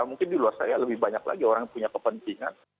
mungkin di luar saya lebih banyak lagi orang yang punya kepentingan